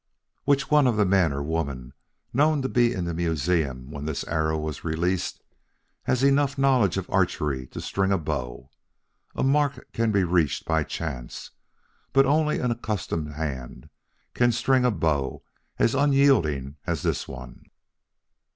"Which one of the men or women known to be in the museum when this arrow was released has enough knowledge of archery to string a bow? A mark can be reached by chance; but only an accustomed hand can string a bow as unyielding as this one.